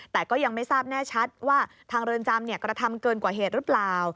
แต่ก็ยังไม่ทราบแน่ชัดว่าทางเรือนจำกระทำเกินกว่าเหตุหรือเปล่า